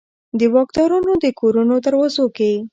د واکدارانو د کورونو دروازو کې